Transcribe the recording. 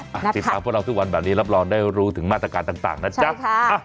ติดตามพวกเราทุกวันแบบนี้รับรองได้รู้ถึงมาตรการต่างนะจ๊ะ